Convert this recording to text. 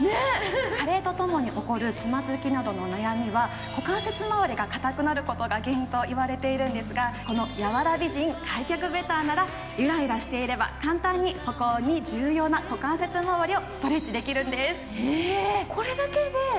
加齢とともに起こるつまつきなどの悩みは股関節まわりが硬くなることが原因と言われているんですが、この柔ら美人開脚ベターならゆらゆらしていれば、簡単に歩行に重要な股関節まわりをストレッチできるんです。